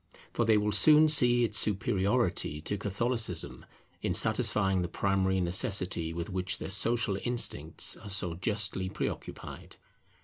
For they will soon see its superiority to Catholicism in satisfying the primary necessity with which their social instincts are so justly preoccupied.